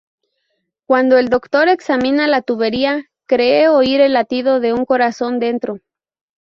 Cuando el doctor examina la tubería, cree oír el latido de un corazón dentro.